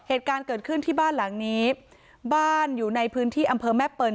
เหตุการณ์เกิดขึ้นที่บ้านหลังนี้บ้านอยู่ในพื้นที่อำเภอแม่เปิล